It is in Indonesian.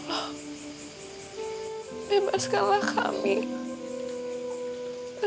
jadi kalau kakak bilang kakak ga mau nikahin dia